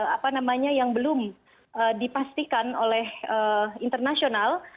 apa namanya yang belum dipastikan oleh internasional